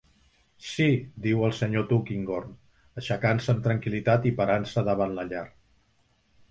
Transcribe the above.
"Sí", diu el senyor Tulkinghorn, aixecant-se amb tranquil·litat i parant-se davant la llar.